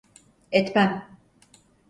Etmem.